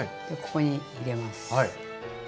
ここに入れます。